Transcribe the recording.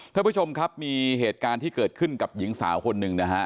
ท่านผู้ชมครับมีเหตุการณ์ที่เกิดขึ้นกับหญิงสาวคนหนึ่งนะฮะ